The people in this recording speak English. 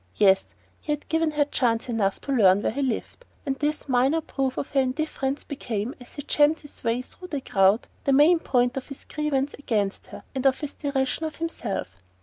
Yes, he had given her chance enough to learn where he lived; and this minor proof of her indifference became, as he jammed his way through the crowd, the main point of his grievance against her and of his derision of himself.